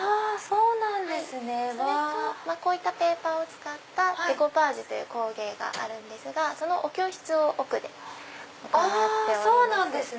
それとこういったペーパーを使ったデコパージュという工芸があるんですがそのお教室を奥で行ってます。